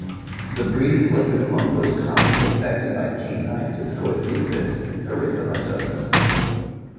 The breed is listed among those commonly affected by Canine discoid lupus erythematosus.